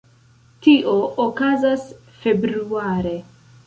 Tio okazas februare.